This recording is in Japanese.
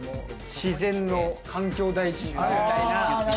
自然の環境大臣みたいな。